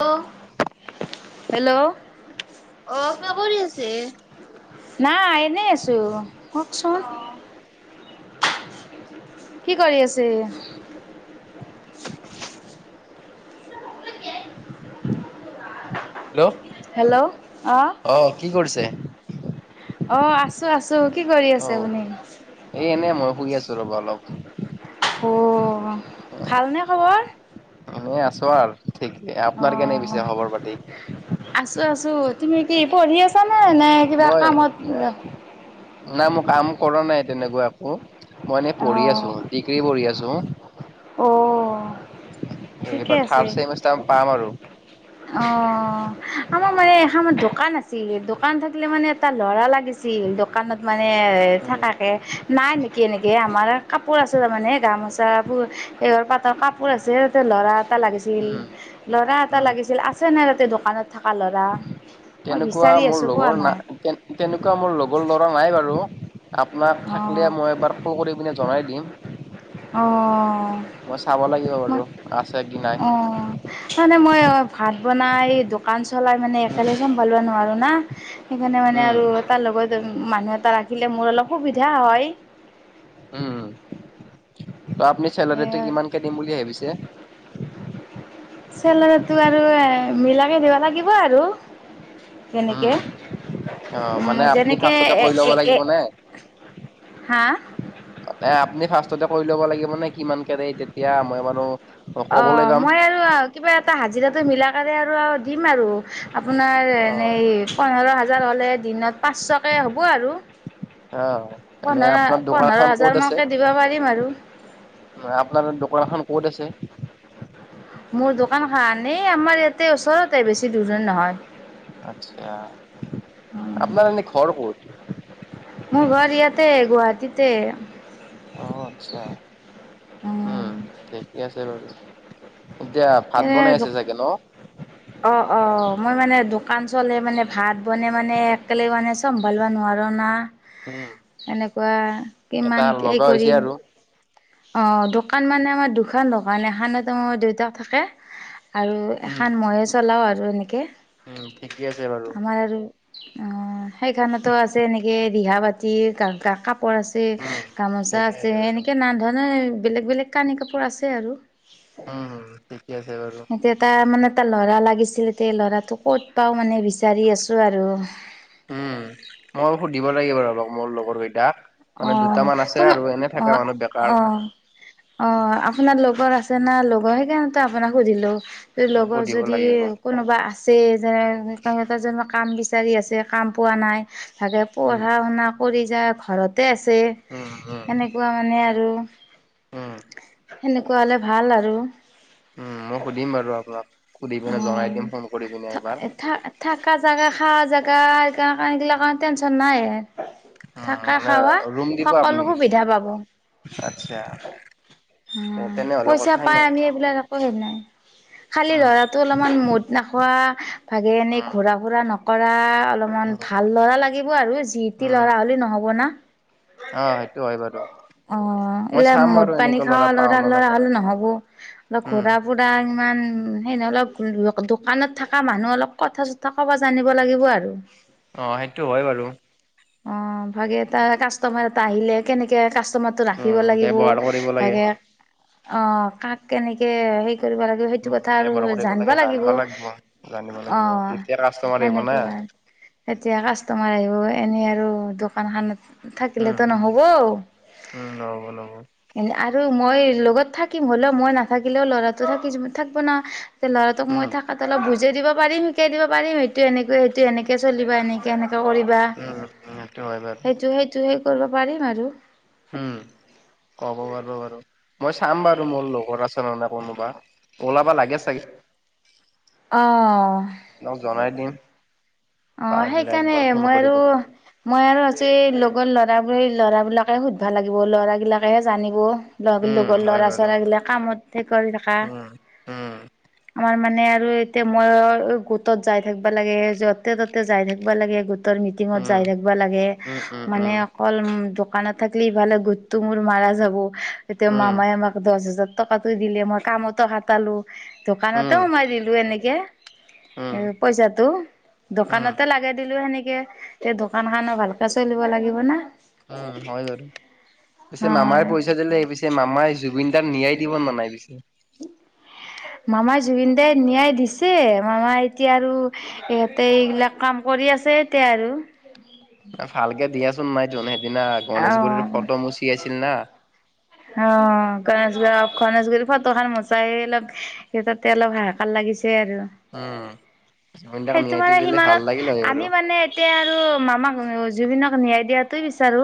অ', hello, অ, কাপো ধোই আছে নাই এনেই আছো কওঁকচোন। কি কৰি আছে? [unintelligible] হেল্ল', হেল্ল', অ, কি কৰিছে? অ, আছো-আছো কি কৰি আছে অ', আপুনি? এই এনেই মই শুই আছো ৰ'বা অলপ। উম, ভালনে খবৰ? এ, আছো আৰ। অ, আছো-আছো তুমি কি পঢ়ি আছা নে? নাই মই নাই কাম কৰা নাই তেনেকুৱা একো। মই মানে অ পঢ়ি আছো ডিগ্ৰী পঢ়ি আছো। অঁ, এইবাৰ থাৰ্ড চেমষ্টাৰ পাম আৰু। অ, আমাৰ মানে এখান দোকান আছিল দোকান থাকিলে মানে এটা ল'ৰা লাগিছিল ছিল দোকানত মানে উম, থাকাকে নাই নেকি এনেকে আমাৰ কাপোৰ আছে তাৰমানে গামোচা বোৰ সেইঘৰ পাতৰ কাপোৰ আছে ততে ল'ৰা এ এটা লাগিছিল ল'ৰা এটা উম। লাগিছিল আছে নে তাতে দোকানত? থকা ল'ৰা মই তেনেকুৱা বিচাৰি মোৰ আছোঁ পোৱা লগৰ না নাই। তেনেকুৱা মোৰ লগৰ ল'ৰা নাই বাৰু আপোনাক অ', থাকিলে মই এবাৰ। ফোন কৰি পিনে জনাই দিম। অঁ মই চাব লাগিব ম বাৰু আছে কি নাই। অ। মানে মই ভাত বনাই দোকান চলাই মানে উম, একেলগে চম্ভালোৱা নোৱাৰোঁ না। সেইকাৰণে মানে উম, আৰু তাৰ লগত মানুহ এটা ৰাখিলে মোৰ অলপ সুবিধা হয়। উম ত আপুনি এ চেলাৰীটো কিমানকে দিম বুলি ভাবিছে? চেলৰাটো আৰু এ মিলাকে দিবা লাগিব আৰু যেনেকে, অ' উম, মানে আপুনি যেনেকে ফাৰ্ষ্টতে কৰি ল'ব [unintelligible] লাগিব নে? হা? মানে আপুনি ফাৰ্ষ্টতে কৰি ল'ব লাগিব নে কিমানকে [unintelligible] তেতিয়া মই বাৰু ক'বলৈ অ', পাম। মই আৰু কিবা এটা হাজিৰাটো মিলা কৰি আৰু দিম আৰু আপোনাৰ অ' এনেই পোন্ধৰ হাজাৰ হ'লে দিনত পাঁচশকৈ হ'ব আৰু। অ' এনে আপোনাৰ পোন্ধৰ-পোন্ধৰ দোকানখন ক'ত হাজাৰ আছে? মানকে দিব পাৰিম আৰু। আপোনাৰ দোকানখন ক'ত আছে? মোৰ দোকানখান, আমাৰ এটে ওচৰতে বেছি দূৰৰ নহয়। আচ্ছা, আপোনাৰ এনেই ঘৰ ক'ত? মোৰ ঘৰ ইয়াতে, গুৱাহাটীতে। অ', আচ্ছা, উম, ঠিকে আছে বাৰু। এতিয়া ভাত এ বনাই আছে চাগে ন? অ', অ', মই মানে দোকান চলে মানে ভাত বনে মানে একেলগ মানে চম্ভালিব নোৱাৰো না। উম। এনেকুৱা কিমান কি হৈছে কৰিম! আৰু। অ', দোকান মানে আমাৰ দুখন দোকান, এখনতো দেউতা থাকে আৰু এখন মইয়ো চলাওঁ আৰু এনেকে। উম, ঠিকে আছে বাৰু। [unintelligible] আৰু আ সেইখনতো আজি এনেকে ৰিহা বাতি কা-কা-কাপোৰ আছ ছে, উম, গামোচা ঠিকে আছে বাৰু। এনেকে নান ধৰণৰ বেলেগ-বেলেগ কানি-কাপোৰ আছে আৰু। উম, ঠিকে আছে বাৰু। তাৰমানে এটা ল'ৰা লাগিছিলে, এতে ল'ৰাটো ক'ত পাওঁ মানে বিচাৰি আছো আৰু। উম, ময়ো সুধিব লাগিব বাৰু মোৰ লগৰকেইটাক। অ', তোম, অ', মানুহ বেকাৰ অ' অ', আপোনাৰ লগৰ আছে না, লগৰ সেইকাৰ নে আপোনাক সুধিলো, লগৰ সুধিব যদি লাগিব। কোনোবা আছে [unintelligible] কাম বিচাৰি আছে, কাম পোৱা নাই। চাগে উম, পঢ়া-শুনা কৰি যায় ঘৰতে আছে। উম, উম, এনেকুৱা মানে আৰু উম, সেনেকুৱা হ'লে ভাল আৰু। উম, মই সুধিম বাৰু আপোনাক। সুধি অ কিনে জনাই দিম ফোন কৰি কিনে এবাৰ। থাকা জেগা, খাৱা জেগা, [unintelligible] এইগিলাক কাৰণে টেনশ্যন নায়ে। উম, মানে ৰুম দিব সকলো আপনি? সুবিধা পাব আচ্ছা। উম, তেনেহ'লে পইচা কথাই পাই নাই আমি এইবিলাক একো হেই নাই, খালি উম, ল'ৰা টো অলপমান মদ নাখোৱা, ভাগে এনে উম, ঘোৰা-ফুৰা নকৰা অলপ মান উম, ভাল ল'ৰা লাগিব আৰু যি টি উম। ল'ৰা হ'লে নহ'ব না। অ' সেইটো হয় বাৰু অ', মই এইবিলা চাম বাৰু মদ-পানী এনেকে ল'ৰা খাওঁ পাওঁ নে ল'ৰা-ল'ৰা হ নাপাওঁ টো নহ'ব। ন উম। ঘোৰা-ফুৰা ইমান সেই নহ অলপ দোকানত থকা মানুহ অলপ কথা-চ থা ক'ব জানিব লাগিব আৰু। অ', সেইটো হয় বাৰু। অ', ভাগেটা কাষ্টমাৰ এটা আহিলে কেনেকে কাষ্টমাৰটোক উম, ৰাখিব লাগিব ব্যৱহাৰ কৰিব লাগে। ভাগে অ', কাক কেনেকে হেৰি কৰিব লাগে হেইটো উম, কথা ব্যৱহাৰ আৰু কৰিব জানিব লাগে লাগিব। জানিব অ' লাগিব তেতিয়া কাষ্টমাৰ আহিব না। সেনেকুৱাই। এতিয়া কাষ্টমাৰ আহিব, এনেই আৰু দোকানখনানত উম, থাকিলেতো নহ'ব। উম, নহ'ব, নহ'ব। আৰু মই লগত থাকিম, হ'লেও মই নাথাকিলেও ল'ৰাটো থাকি, থাকিব না। এতিয়া লৰাতোক উম, মই থাকোঁতেই অলপ বুজাই দিব পাৰিম, শিকাই দিব পাৰিম, সেইটো এনেকৈ, সেইটো এনেকে চলিবা এনেকে কেনেকে কৰিবা উম, উম, হয় বাৰু সেইটো, সেইটো সেই কৰিব পাৰিম আৰু উ'ম ক'ব পাৰো বাৰু, মই চাম বাৰু মোৰ লগৰ আছে নে কোনোবা ওলাব লাগে চাগে, অ আপোনাক জনাই অ' পাৰিলে সেইকাৰণে একবাৰ ফোন মই কৰি আৰু দিব মই আৰু আজি লগৰ ল'ৰাবোৰে, ল'ৰাবিলাকে সুধিব লাগিব ল'ৰাবিলাকেহে জানিব উম, ল-লগৰ হয় ল'ৰা বাৰু চৰা গিলাক কামত হে কৰি থকা উম, উম, আমাৰ মানে আৰু এতিয়া মইও গোটত যাই থাকিবা লাগে হে জ তই তাতে যাই থাকিবা লাগে গোটৰ মিটিঙত উম। যাই থাকিবা লাগে উম, উম, মানে উম, অকল দো দোকানত থাকিলে ইফালে গোটটো মোৰ মাৰা যাব, এতিয়া উম, মামাই আমাক দহ হাজাৰ টকাতো দিলে, মই কামত অহা পালোঁ দোকানতো উম, আমাৰ দিলোঁ উম, এনেকৈ পইচাটো উম, দোকানতো লাগে দিলোঁ সেনেকে, এই দোকান খানো ভালকে চলিব লাগিব ন উ'ম হয় বাৰু পিছে মামাৰ হয় পইচা দিলে, পিছে মামাই জুবিন তাক নিয়াই দিব নাই পিছে? মামাই জুবিনদাই ন্যায় দিছে, মামা এতিয়া আৰু এ এ এইগিলাক কাম কৰি আছে, এতিয়া আৰু ভালকে দিয়াচোন [unintelligible] গণেশগুৰিৰ অ', ফটো ম চিয়াইছিল না অ' গৈ আছোঁ ৰ' গণেশগুৰি ফটো খন [unintelligible] সেই তাতেই আলপ হাহাকাৰ লাগিছে আৰু জুবিনদাক সেইতো নিয়াইটো মানে দিলে ভাল সিমানত লাগিল হয় বাৰু। আমি মানে এতিয়া আৰু মামাক জুবিনক ন্যায় দিয়াটোৱেই বিচাৰো,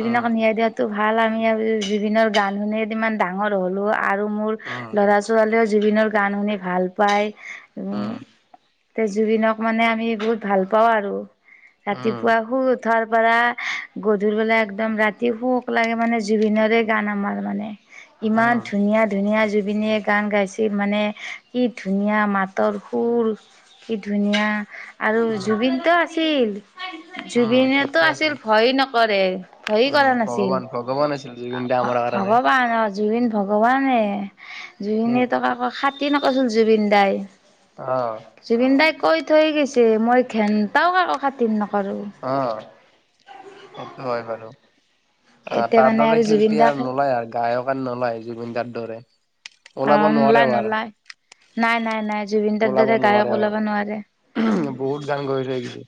উম, ন্যায় দিয়াটোৱেই বিচাৰো ভাল আমি, আমি জুবিনৰ গান শুনিয়েই কিমান ডাঙৰ হ'লো আৰু মোৰ, উম, লৰা ছোৱালীয়েও জুবিনৰ গান শুনি ভাল পায় উম, এ' জুবিনক মানে আমি বহুত ভাল পাওঁ আৰু উম, ৰাতিপুৱা শুই ৰাতিপুৱাৰ পৰা গধুলি বলে একদম ৰাতি শোক লাগে মানে জুবিনৰে গান আমাৰ মানে, ইমান উম, ধুনীয়া ধুনীয়া জুবিনে গান গাইছিল মানে, কি ধুনীয়া মাতৰ সুৰ কি ধুনীয়া আৰু উম, জুবিনটো আছিল, উম, ঠিকে জুবিনেতো আছে। আছিল ভয় নকৰে উ'ম ভগৱান, ভগৱান আছিলে। ভ-ভগৱান অ' জুবিন ভগৱানে উম, জুবিনেতো কাকো খাটিৰ নকৰিচিল জুবিন দাই অ', জুবিন দাই কৈ থৈ গৈছিল, মই ঘেণ্টাও কাকো খাতিৰ নকৰোঁ। অ' সেইতো মই ভাবিছোঁ আ' এতিয়া মানে তাৰটো আৰু দেখিলো জুবিন এতিয়া দাক নুলাই আৰু গায়কো নুলাই জুবিন দাৰ ওলাব অ' নোৱাৰে নুলাই, বাৰ নুলাই নাই, নাই, নাই জুবিন তাৰ দৰে গায়ক ওলাব নোৱাৰে উ'ম বহুত গান গৈ থৈ গৈছে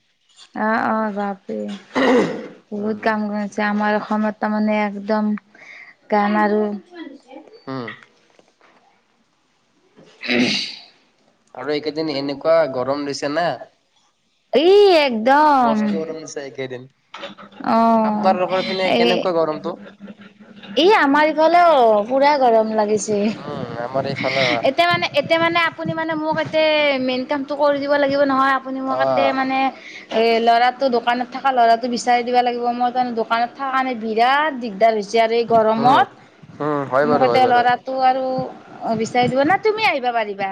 অ' অ' বাপৰেই বহুত কাম উম, হৈ আছে আমাৰ অসমত তাৰমানে একদম গান আৰু উ'ম [unintelligible] আৰু এইকেইদিন এনেকুৱা গৰম দিছে না ই একদম তে কেইদিন অ এই কেনেকুৱা গৰমটো? ই আমাৰ ইফালেও পুৰা গৰম লাগিছে উম, আমাৰ এইফালে এতিয়া মানে এতিয়া মানে আপুনি মানে মোক এতে মেইন কামটো কৰি দিব লাগিব নহয় আপুনি মোক অ'। নে এ ল'ৰাটো দোকানত থকা ল'ৰাটো বিচাৰি দিবা লাগিব মই তানে দোকানত থকা কাৰণে বিৰাট দিগদাৰ হৈছে চেয়াৰে এই উম, গৰমত উম, হয় মোৰ বাৰু সৈতে হয় বাৰু। ল'ৰা তো আৰু বিচাৰি দিব না তুমি আহিবা পাৰিবা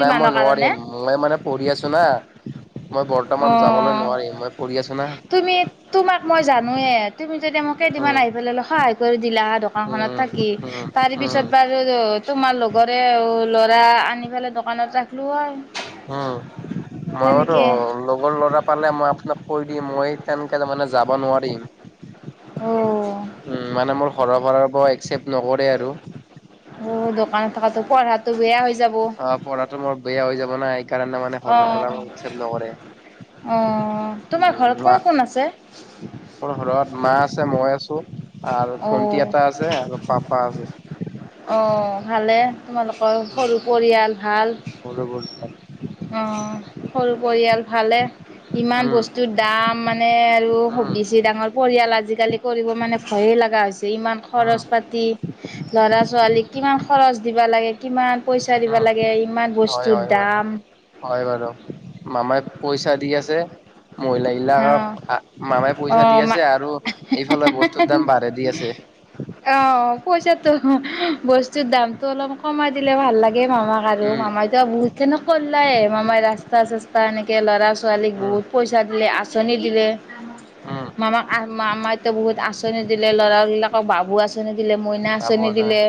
নাই মই কাৰণে নোৱাৰিম, মই মানে পঢ়ি আছো না মই অ বৰ্তমান যাবলৈ নোৱাৰিম মই পঢ়ি আছো না তুমি তোমাক মই জানোৱেই তুমি যদি মোক কেইদিনমান উম, আহি পেলাই সহায় কৰি দিলা দোকানখনত উম, থাকি উম, তাৰি পিছত উম। বাৰু ৰু তোমাৰ লগৰে ল'ৰা আনি পেলাই দোকানত ৰাখিলো হয় উম মইয়োতো সেনেকে লগৰ ল'ৰা পালে মই তুমাক কৈ দিম মই তেনকে মানে যাব নোৱাৰিম অ', উম মানে মোৰ ঘৰৰ পৰা মই একচেপ্ট নকৰে আৰু অ দোকানত থকাটো পঢ়াটো বেয়া হৈ যাব। অ পঢ়াটো মোৰ বেয়া হৈ যাব না সেইকাৰণে মানে ঘৰৰ পৰা মোক একচেপ্ট নকৰে অঁ তোমাৰ ঘৰত উম, কোন কোন আছে মোৰ ঘৰত মা আছে মই আছো আৰ ভন্টি অ', এটা আছে আৰু পাপা আছে অঁ ভালে তোমালোকৰ সৰু পৰিয়াল ভাল সৰু ভন্টি অঁ সৰু পৰিয়াল ভালে ইমান উম বস্তুৰ দাম মানে আৰু হ উম বেছি ডাঙৰ পৰিয়াল আজিকালি কৰিব মানে ভয়ে লাগা হৈছে ইমান উম খৰচ পাতি ল'ৰা ছোৱালীক কিমান খৰচ দিবা লাগে কিমান পইচা দিব উম লাগে ইমান হয় বস্তুৰ হয় বাৰু দাম হয় বাৰু মামাই পইচা দি আছে মহিলাই এইবিলাকক অ', আ মামাই পইচা দি অ', মা আছে আৰু এইফালে বস্তুৰ দাম বাঢ়ে দি আছে অ পইচাটো বস্তু দামতটো অলপ কমাই দিলে ভাল লাগে মামাক আৰু উম মামাইতো বহুত খনক কৰলায়ে মামাই ৰাস্তা চস্তা এনেকে ল'ৰাচ ছোৱালীক উম বহুত পইচা দিলে আঁচনি দিলে উম মামাক আহ মামাইটো বহুত আঁচনি দিলে ল'ৰা বিলাকক বাবু আচ চনি দিলে মইনা ভাবো আচনি দিলে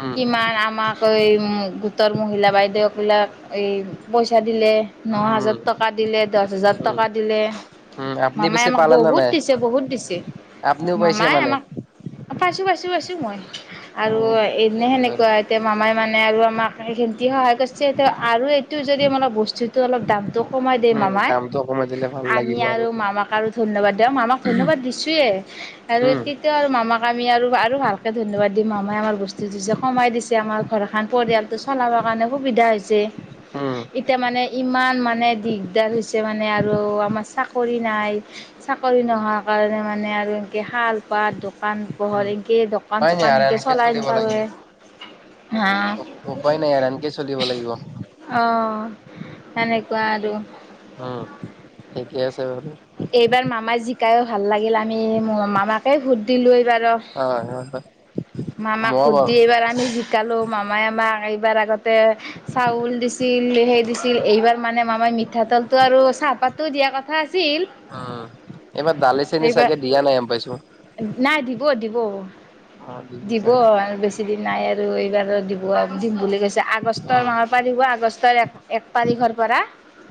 উম কিমান আমাক কৈ উম গোটৰ মহিলা বাইদেউবিলাক এই পইচা দিলে ন উম হাজাৰ টকা দিলে দচ হাজাৰ উম টকা দিলে উম আপুনি মামাই পিছে আমাক পালে নে বহুত নাই দিছে বহুত দিছে আপুনিও পাইছে মামাই মানে আমাক পাইছো পাইছো পাইছো মই অ আৰু ঠিক এনে আছে বাৰু সেনেকুৱা এতিয়া মামাই মানে আৰু আমাক সেইখিনটি সহায় কৰিছে সেই আৰু এইটো যদি মলপ বস্তুটো অলপ দামটো কমাই দিয়ে উম মামাই দামটো কমাই দিলে ভাল আমি লাগিব আৰু মামাক আৰু ধন্যবাদ দিওম মামাক ধন্যবাদ দিছোয়ে আৰু উম তেতিয়াও আৰু মামাক আমি আৰু আৰু ভালকে ধন্যবাদ দিম মামাই আমাৰ বস্তুটো যে কমাই দিছে আমাক ঘৰখন পৰিয়ালটো চলাবৰ কাৰণে সুবিধা হৈছে উম এতিয়া মানে ইমান মানে দিগদাৰ হৈছে মানে আৰু আপ চাকৰি নাই চাকৰি নোহোৱা কাৰণে মানে আৰু এনেকে খাল বাত দকান পোহৰ উপাই এনকে দকান নাই চকান আৰু এনকে এনেকে চলাই চলিব থকাৰ লাগিব। বাবে হা উ- উপায় নাই আৰু এনেকে চলিব লাগিব। অ সেনেকুৱা আৰু অ ঠিকে আছে বাৰু এইবাৰ মামাই জিকায়ো ভাল লাগিল আমি মামাকে ভোট দিলো এইবাৰো অ, হয় হয় মামাক মই ভোদ বাৰু দি এইবাৰ আমি জিকালো মামাই আমাক এইবাৰ আগতে চাউল দিছিল হেই দিছিল এইবাৰ মানে মামাই মিঠাতেলটো আৰু চাহপাততো দিয়া কথা আছিল। উম, এইবাৰ দালি চেনি এইবাৰ চাগে দিয়া নাই গম পাইছো। নাই দিব দিব। অ', দিব চাগে। আৰু বেছি দিন নাই আৰু এইবাৰো দিব দিম বুলি কৈছে আগষ্টৰ উম, মাহৰ পৰা দিব আগষ্টৰ এক তাৰিখৰ পৰা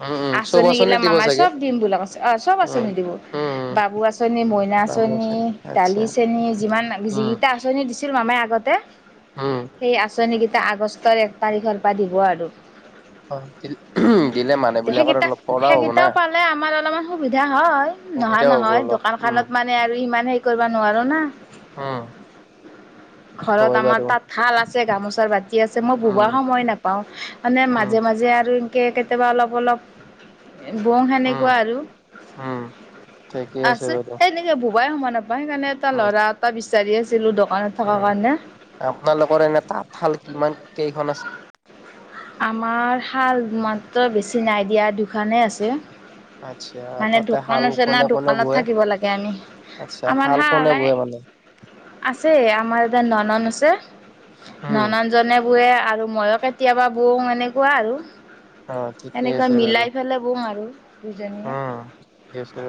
উম, উম, চব আঁচনি গিলা দিব মামাই চাগে। চব দিম বোলি কৈছে অ চব উম, আঁচনি দিব উম, উম, বাবু আচনি আঁচনি মইনা বাম আঁচনি আচ্ছা। দালি চেনী যিমান উম, জিগিতা আঁচনি দিছিল মামায়ে আগতে উম। সেই আঁচনি কেইটা আগষ্টৰ এক তাৰিখৰ পৰা দিব আৰু অ', দি- দিলে মানুহ বিলাকৰ সেইকেইটা অলপ পৰা হ'ব না। সেইকেইটাও পালে আমাৰ অলপমান সুবিধা হয়। নহয় সুবিধা হ'ব নহয় অলপ। দোকান উম, খানত মানে আৰু ইমান হেৰি কৰিব নোৱাৰো না উম। [inaudible] ঘৰত হয় আমাৰ বাৰু। তাতশাল আছে গামোচাৰ বাতি আছে মই উম, ববই সময়ে নাপাওঁ মানে উম, মাজে মাজে আৰু কেতিয়াবা অলপ অলপ বও উম, সেনেকুৱাই আৰু উম, ঠিকেই আছে বাৰু। এনে এ ববাই সময় নাপাও সেইকাৰণে এটা উম, ল'ৰা এটা বিচাৰি আছিলোঁ দোকানত থকাৰ উম কাৰণে আপোনালোকৰ এনে তাঁতশাল কিমান কেইখন আছে? আমাৰ শাল মাত্ৰ বেছি নাই দিয়া দুখানেই আছে। আচ্ছা মানে তাতে দোকান শাল আছে না কোনে কোনে দোকানত বয়? থাকিব লাগে আমি আচ্ছা আমাৰ শাল হা কোনে বয় মানে? আছে আমাৰ এটা ননন্দ আছে উম ননন্দ জনে বোৱে আৰু মইও কে কেতিয়াবা বওঁ এনেকুৱা আৰু অ ঠিকে এনেকুৱা মিলাই পেলাই বওঁ আৰু দুজনী অ ঠিকে আছে।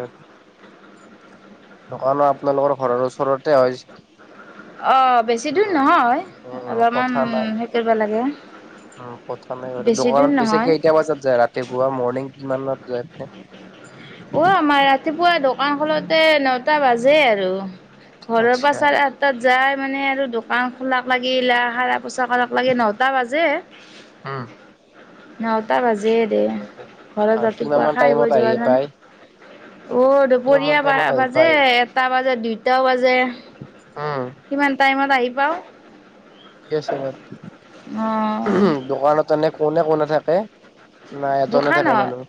দোকানো আপোনালোকৰ ঘৰৰ ওচৰতে হয়। অ বেছি দূৰ উম নহয় উম উম, কথা অলপমান নাই। হেৰি কৰিব লাগে। উম কথা নাই বাৰু বেছি দূৰ দোকানত পিছে নহয় কেইটা বজাত যায় ৰাতিপুৱা মৰ্ণিং কিমানত যায় এনে অ আমাৰ ৰাতিপুৱা দোকান খোলোতে নটা বাজেই আৰু ঘৰৰ পৰা আচ্ছা চাৰে যায় মানে আৰু দোকান খোলাক লাগিল সৰা পোছাক কৰাক নটা বাজে উম। নটা বাজিয়ে দে ঠিকে আছে। ঘৰত আৰু কিমান ৰাতিপুৱা মান খাই টাইমত বৈ আহি যোৱা পায়? জনে অ কিমান মান দুপৰীয়া টাইমত আহি বাজে পায়? এ এটা বাজে দুইটাও বাজে উম কিমান টাইমত আহি পাও ঠিকেই আছে অ' বাৰু দোকানত এনে কোনে কোনে থাকে? নাই এজনে থাকে দোকানত মানুহ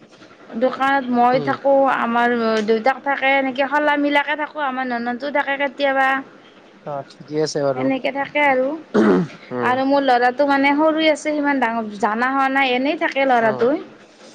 দোকানত মই উম। থাকো আ আমাৰ দেউতাক থাকে এনেকে খলা মিলাকে থাকো আমাৰ ননন্দো থাকে কেতিয়াবা। অ ঠিকেই আছে বাৰু। এনেকে থাকে আৰু উম আৰু মোৰ লৰাটো মানে সৰু হৈ আছে সিমান ডাঙৰ জানা হোৱা নাই এনেই থাকে উম লৰাটো